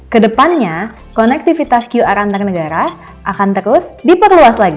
kedepannya konektivitas qr antar negara akan terus diperluas lagi